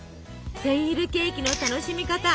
センイルケーキの楽しみ方。